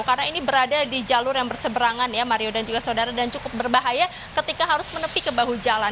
karena ini berada di jalur yang berseberangan ya mario dan juga saudara dan cukup berbahaya ketika harus menepi ke bahu jalan